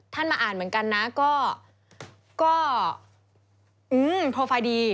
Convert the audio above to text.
มาอ่านเหมือนกันนะก็โปรไฟล์ดี